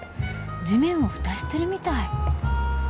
地面をフタしてるみたい。